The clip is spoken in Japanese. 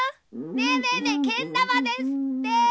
ねえねえねえけんだまですって！